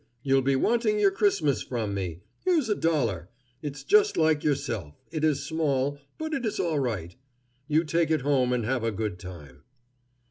"You'll be wanting your Christmas from me. Here's a dollar. It's just like yourself: it is small, but it is all right. You take it home and have a good time."